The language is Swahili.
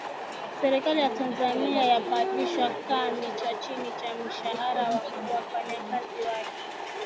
Serikali ya Tanzania yapandisha kima cha chini cha mshahara wa wafanyakazi wake